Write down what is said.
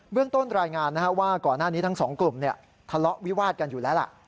เรื่องต้นรายงานว่าก่อนหน้านี้ทั้งสองกลุ่มทะเลาะวิวาดกันอยู่แล้วล่ะ